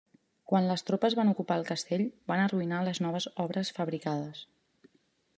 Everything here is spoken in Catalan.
Quan les tropes van ocupar el castell, van arruïnar les noves obres fabricades.